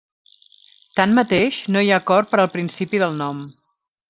Tanmateix, no hi ha acord per al principi del nom.